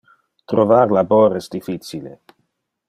Trovar labor es difficile.